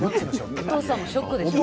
お父さんもショックですよね。